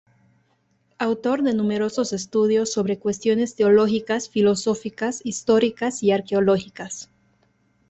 Autor de numerosos estudios sobre cuestiones teológicas, filosóficas, históricas y arqueológicas.